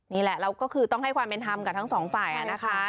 นี่แหละเราก็คือต้องให้ความเป็นธรรมกับทั้งสองฝ่ายนะคะ